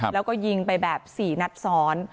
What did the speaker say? แล้วก็ยิงไปแบบสิหนัดสอน